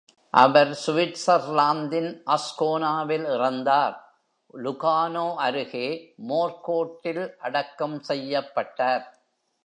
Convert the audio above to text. அவர் சுவிட்சர்லாந்தின் அஸ்கோனாவில் இறந்தார், லுகானோ அருகே மோர்கோட்டில் அடக்கம் செய்யப்பட்டார்.